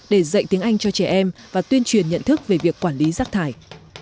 để dạy tiếng anh cho trẻ em và tuyên truyền nhận thức về việc quản lý rác thải